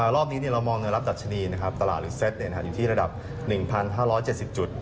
รอบนี้เรามองในรับดัชนีตลาดหรือเซตอยู่ที่ระดับ๑๕๗๐จุด